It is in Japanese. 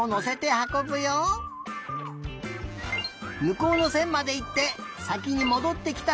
むこうのせんまでいってさきにもどってきたほうがかち。